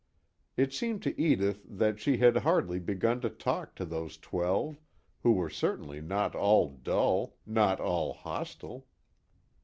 It seemed to Edith that she had hardly begun to talk to those twelve, who were certainly not all dull, not all hostile.